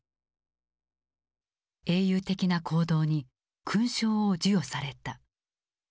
英雄的な行動に勲章を授与された。